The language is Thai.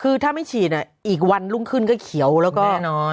คือถ้าไม่ฉีดอีกวันรุ่งขึ้นก็เขียวแล้วก็แน่นอน